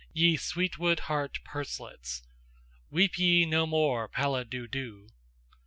Ye sweetwood heart Purselets! Weep ye no more, Pallid Dudu!